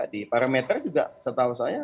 di parameter juga setahu saya